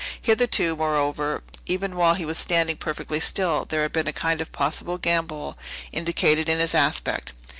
Hitherto, moreover, even while he was standing perfectly still, there had been a kind of possible gambol indicated in his aspect.